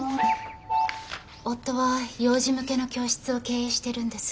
夫は幼児向けの教室を経営してるんです。